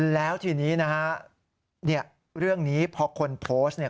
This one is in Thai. แล้วทีนี้นะฮะเนี่ยเรื่องนี้พอคนโพสต์เนี่ย